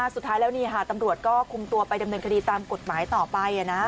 สุดท้ายแล้วนี่ค่ะตำรวจก็คุมตัวไปดำเนินคดีตามกฎหมายต่อไป